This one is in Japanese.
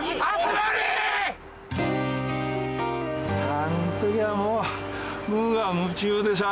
あんときはもう無我夢中でさ。